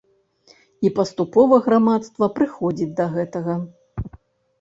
І паступова грамадства прыходзіць да гэтага.